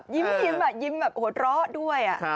ยิ้มแบบยิ้มโหดเลาะด้วยอะ